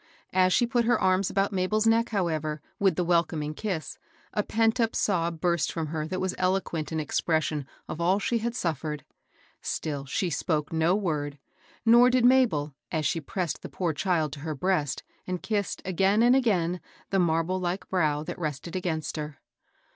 As she put her arms about Mabel's neck, however, with the welcoming kiss, a pent up sob burst from her that was eloquent in expression of all she had suffered. Still she spoke no word ; nor did Mabel, as she pressed the poor child to her brea&t^ <Q^!ci^ 862 MABEL ROSS. kissed, again and again, the marble like brow that rested against her.